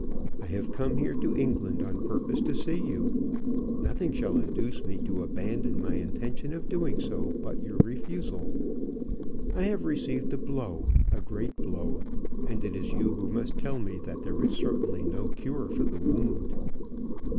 I have come here to England on purpose to see you. Nothing shall induce me to abandon my intention of doing so, but your refusal. I have received a blow, a great blow, and it is you who must tell me that there is certainly no cure for the wound."